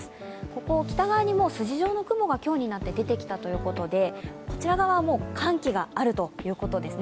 ここを北側にも筋状の雲が今日になって出てきたということでこちら側はもう寒気があるということですね。